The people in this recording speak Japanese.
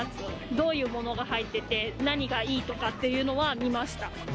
どういうものが入ってて何がいいとかっていうのは見ました。